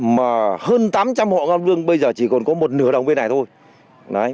mà hơn tám trăm linh hộ ngang vương bây giờ chỉ còn có một nửa đồng bên này thôi